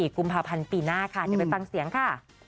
กุมภาพันธ์ปีหน้าค่ะเดี๋ยวไปฟังเสียงค่ะ